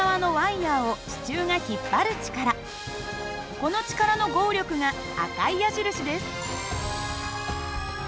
この力の合力が赤い矢印です。